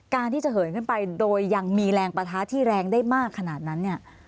การที่จะเหินขึ้นไปโดยยังมีแรงปะท้าที่แรงได้มากขนาดนั้นเนี่ย